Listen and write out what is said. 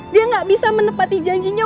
dia gak bisa menepati janjinya